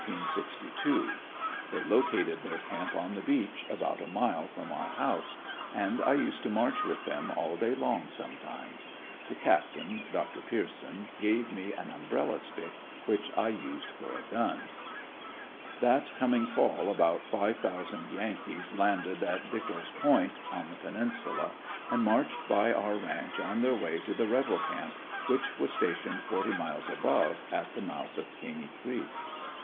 They located their camp on the beach, about a mile from our house, and I used to march with them all day long sometimes. The captain, Dr. Pierceson, gave me an umbrella stick which I used for a gun. That coming fall about five thousand Yankees landed at Deckrows Point on the Peninsula and marched by our ranch on their way to the rebel camp which was stationed forty miles above, at the mouth of Caney Creek.